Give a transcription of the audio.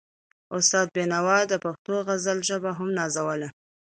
استاد بينوا د پښتو د غزل ژبه هم نازوله.